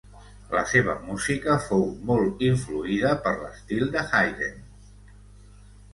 La seva música fou molt influïda per l'estil de Haydn.